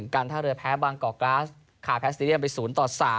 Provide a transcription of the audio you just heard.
การท่าเรือแพ้บางกอกกราสคาแพสเตดียมไป๐ต่อ๓